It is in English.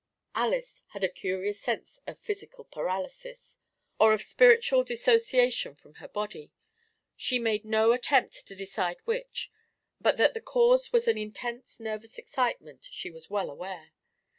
Alys had a curious sense of physical paralysis, or of spiritual dissociation from her body, she made no attempt to decide which; but that the cause was an intense nervous excitement she was well aware.